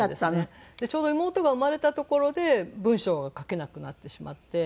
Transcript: ちょうど妹が生まれたところで文章が書けなくなってしまって。